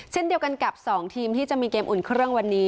เช่นเดียวกันกับ๒ทีมที่จะมีเกมอุ่นเครื่องวันนี้